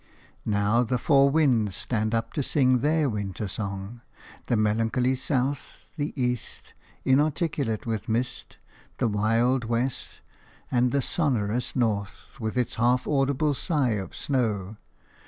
Now the four winds stand up to sing their winter song – the melancholy south, the east, inarticulate with mist, the wild west, and the sonorous north with its half audible sigh of snow.